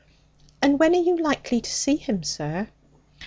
'And when are you likely to see him, sir?'